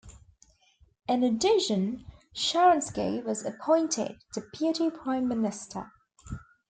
In addition, Sharansky was appointed Deputy Prime Minister.